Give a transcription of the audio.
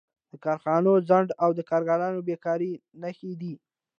د کارخانو ځنډ او د کارګرانو بېکاري نښې دي